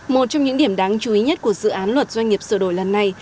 một trong những điểm đáng chú ý nhất của dự án luật doanh nghiệp sửa đổi lần này